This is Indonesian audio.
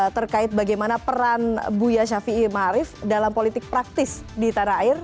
terkait bagaimana peran buya syafi'i mahari dalam politik praktis di tanah air